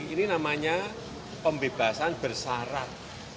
ini namanya pembebasan bersyarat